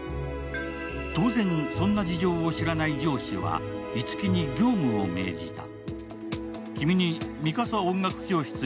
当然、そんな事情を知らない上司は樹に業務を命じた。